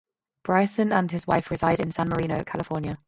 Bryson and his wife reside in San Marino, California.